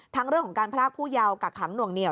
ทั้งเรื่องของการพรากผู้เยาวกักขังหน่วงเหนีย